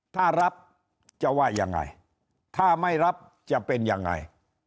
ถ้ารับจะว่ายังไงถ้าไม่รับจะเป็นยังไง